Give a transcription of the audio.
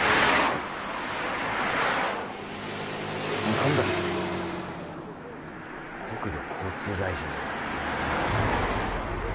何だっ国土交通大臣が？